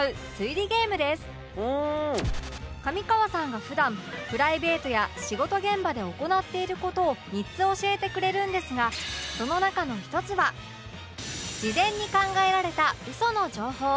上川さんが普段プライベートや仕事現場で行っている事を３つ教えてくれるんですがその中の１つは事前に考えられた嘘の情報